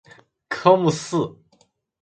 科目四